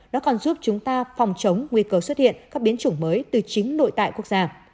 nó còn giúp chúng ta phòng chống nguy cơ xuất hiện các biến chủng mới từ chính nội tại quốc gia